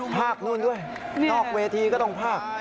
ภาคนู่นด้วยนอกเวทีก็ต้องภาค